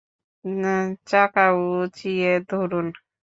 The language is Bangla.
চাকা উঁচিয়ে ধরুন।